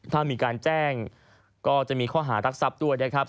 ถ้ามีการแจ้งก็จะมีข้อหารักทรัพย์ด้วยนะครับ